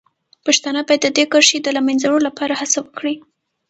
پښتانه باید د دې کرښې د له منځه وړلو لپاره هڅه وکړي.